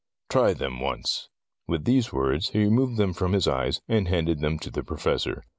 Try them once." With these words, he removed them from his eyes, and handed them to the Professor.